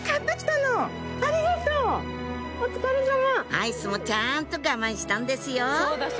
アイスもちゃんと我慢したんですよ